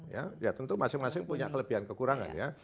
ya ya tentu masing masing punya kelebihan kekurangan ya